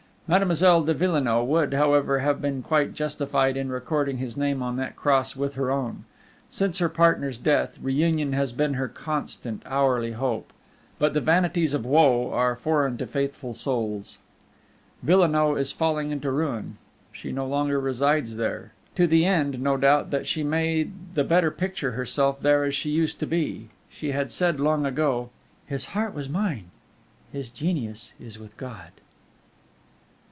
Mademoiselle de Villenoix would, however, have been quite justified in recording his name on that cross with her own. Since her partner's death, reunion has been her constant, hourly hope. But the vanities of woe are foreign to faithful souls. Villenoix is falling into ruin. She no longer resides there; to the end, no doubt, that she may the better picture herself there as she used to be. She had said long ago: "His heart was mine; his genius is with God."